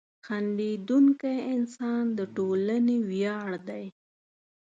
• خندېدونکی انسان د ټولنې ویاړ دی.